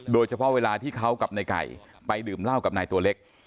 โดยเฉพาะเวลาที่เขากับในไก่ไปดื่มล่าวกับนายตัวเล็ก